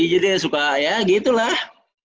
jadi dia suka ya gitu lah